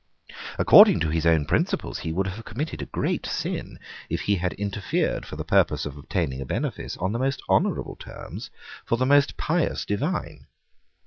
According to his own principles, he would have committed a great sin if he had interfered for the purpose of obtaining a benefice on the most honourable terms for the most pious divine.